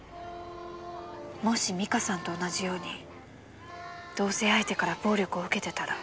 もし実花さんと同じように同棲相手から暴力を受けてたら。